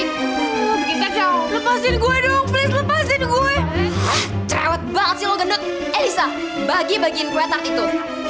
lepasin gue dong lepasin gue cewek banget sih elisa bagi bagi itu